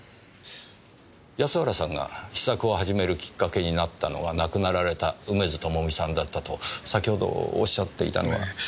安原さんが詩作を始めるきっかけになったのは亡くなられた梅津朋美さんだったと先ほどおっしゃっていたのは。